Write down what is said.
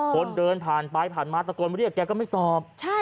คนเดินผ่านไปผ่านมาตะโกนเรียกแกก็ไม่ตอบ